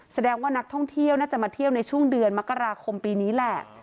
แสดงว่านักท่องเที่ยวน่าจะมาเที่ยวในช่วงเดือนมกราคมปีนี้แหละ